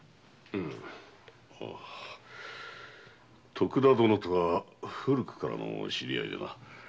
徳田殿とは古くからの知り合いでな。